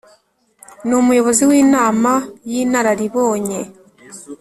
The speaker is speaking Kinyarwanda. n umuyobozi w Inama y Inararibonye